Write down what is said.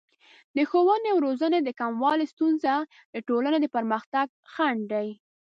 د ښوونې او روزنې د کموالي ستونزه د ټولنې د پرمختګ خنډ دی.